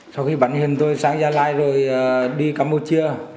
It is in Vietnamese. sau khi bắn hiền tôi sang gia lai rồi đi campuchia